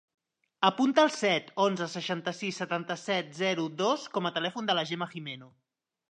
Apunta el set, onze, seixanta-sis, setanta-set, zero, dos com a telèfon de la Gemma Gimeno.